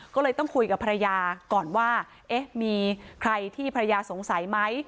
ก็เลยต้องคุยกับภรรยาก่อนว่าเอ๊ะมีใครที่ภรรยาสงสัยไหม